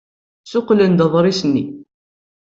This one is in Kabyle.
Ssuqqlen-d aḍris-nni.